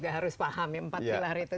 gak harus paham ya empat pilar itu